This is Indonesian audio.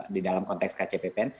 di dalam konteks kcppn